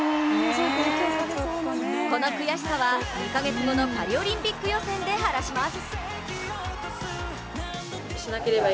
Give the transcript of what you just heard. この悔しさは２か月後のパリオリンピック予選で晴らします。